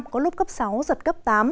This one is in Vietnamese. có lúc cấp sáu giật cấp tám